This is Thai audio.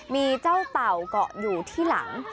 มีเจ้าเต่าเกาะอยู่ที่หลัง